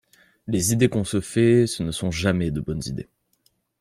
Les idées qu’on se fait, ce ne sont jamais de bonnes idées.